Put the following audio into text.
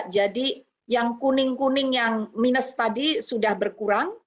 jadi yang kuning kuning yang minus tadi sudah berkurang